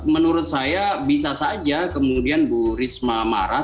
menurut saya bisa saja kemudian bu risma marah